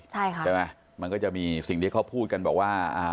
ใช่ค่ะใช่ไหมมันก็จะมีสิ่งที่เขาพูดกันบอกว่าอ่า